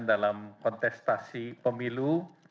dalam kontestasi pemilu